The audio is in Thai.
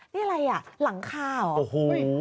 นี่อะไรไงหลังคาเหรอ